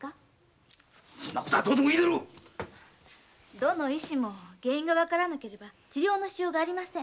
そんなことどうでもいいどの医師も原因がわからなければ治療のしようがありません。